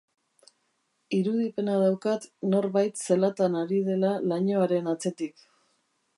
Irudipena daukat norbait zelatan ari dela lainoaren atzetik.